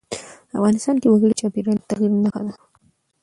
افغانستان کې وګړي د چاپېریال د تغیر نښه ده.